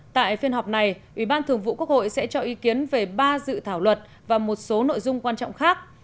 tại phiên họp này ủy ban thường vụ quốc hội sẽ cho ý kiến về ba dự thảo luật và một số nội dung quan trọng khác